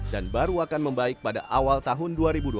dan baru akan membaik pada awal tahun dua ribu dua puluh enam